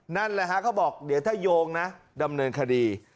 นั่นแหละฮะเขาบอกเดี๋ยวถ้าโยงนะดำเนินคดี